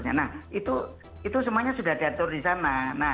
nah itu semuanya sudah diatur di sana